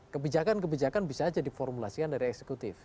kebijakan kebijakan bisa saja diformulasikan dari eksekutif